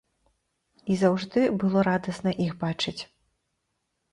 І заўжды было радасна іх бачыць.